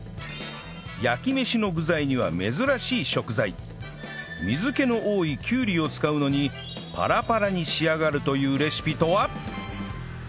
焼き飯の具材には珍しい食材水気の多いきゅうりを使うのにパラパラに仕上がるというレシピとは？